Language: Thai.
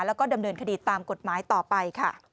แล้วก็ดำเนินคดีตามกฎหมายต่อไปค่ะ